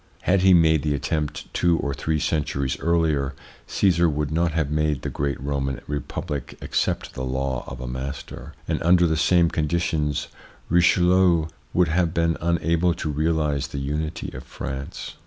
Had he made the attempt two or three centuries earlier, Caesar would not have made the great Roman Republic accept the law of a master, and under the same conditions Richelieu would have been unable to realise the unity of France.